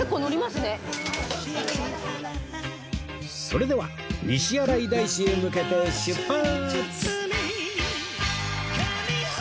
それでは西新井大師へ向けて出発！